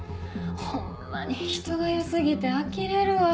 ホンマに人が良過ぎてあきれるわ。